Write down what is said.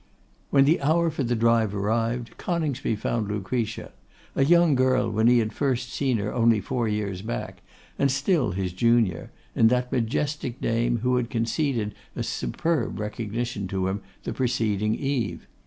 When the hour for the drive arrived, Coningsby found Lucretia, a young girl when he had first seen her only four years back, and still his junior, in that majestic dame who had conceded a superb recognition to him the preceding eve.